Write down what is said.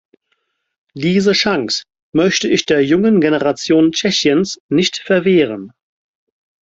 Diese Chance möchte ich der jungen Generation Tschechiens nicht verwehren.